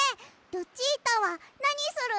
ルチータはなにするの？